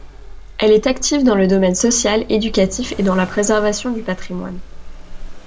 Elle est active dans le domaine social, éducatif et dans la préservation du patrimoine.